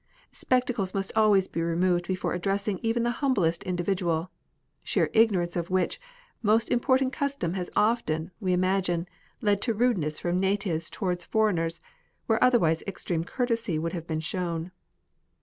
Spectacles must always be removed before addressing even the humblest individual — sheer ignorance of which most important custom has often, we imagine, led to rudeness from natives towards foreigners, where otherwise extreme courtesy would have been shown.